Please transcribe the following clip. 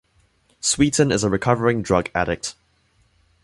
Sweetin is a recovering drug addict.